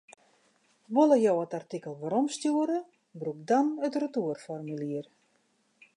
Wolle jo it artikel weromstjoere, brûk dan it retoerformulier.